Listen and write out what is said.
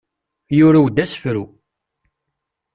Yurew-d asefru.